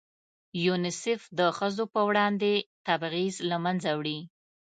یونیسف د ښځو په وړاندې تبعیض له منځه وړي.